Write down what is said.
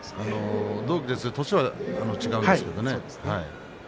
同期ですが年は違うんですよね